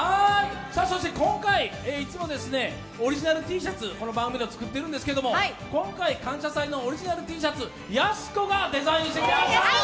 そして、いつもオリジナルＴシャツ、作ってるんですけども今回「感謝祭」のオリジナルＴシャツ、やす子がデザインしてくれました。